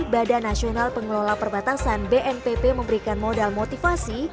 badan nasional pengelola perbatasan bnpp memberikan modal motivasi